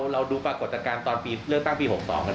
เราดูปรากฏจัดการณ์ตอนเลือกตั้งปี๖๒